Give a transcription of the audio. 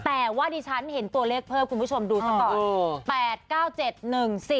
แต่ว่าดิฉันเห็นตัวเลขเพิ่มคุณผู้ชมดูซะก่อน